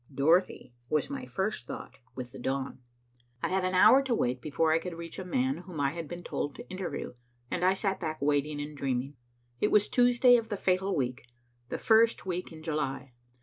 Dorothy was my first thought with the dawn. I had an hour to wait before I could reach a man whom I had been told to interview, and I sat back waiting and dreaming. It was Tuesday of the fatal week, the first week in July.